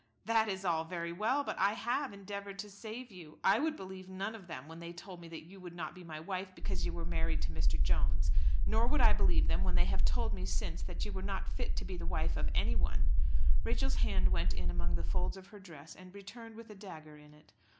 "That is all very well, but I have endeavoured to save you. I would believe none of them when they told me that you would not be my wife because you were married to Mr. Jones. Nor would I believe them when they have told me since that you were not fit to be the wife of anyone." Rachel's hand went in among the folds of her dress, and returned with a dagger in it.